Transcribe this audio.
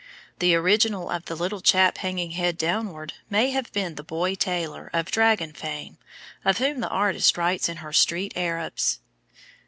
The original of the little chap hanging head downward may have been the "Boy Taylor," of dragon fame, of whom the artist writes in her "Street Arabs."